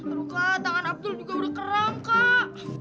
aduh kak tangan abdul juga udah keram kak